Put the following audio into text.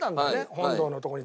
本堂のとこに。